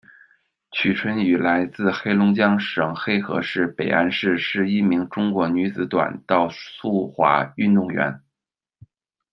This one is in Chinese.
曲春雨来自黑龙江省黑河市北安市，是一名中国女子短道速滑运动员。